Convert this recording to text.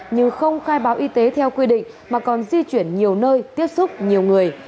như không khai báo y tế theo quy định mà còn di chuyển nhiều nơi tiếp xúc nhiều người